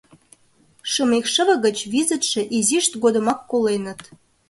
Шым икшыве гыч визытше изишт годымак коленыт.